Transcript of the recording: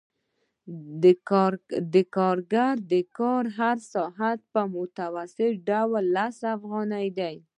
د کارګر د کار هر ساعت په متوسط ډول لس افغانۍ دی